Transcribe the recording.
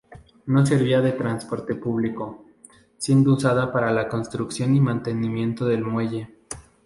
No servía de transporte público, siendo usada para la construcción y mantenimiento del muelle.